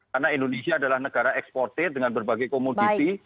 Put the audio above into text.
karena indonesia adalah negara eksportir dengan berbagai komoditi